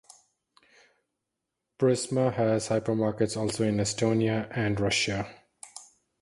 Prisma has hypermarkets also in Estonia and Russia.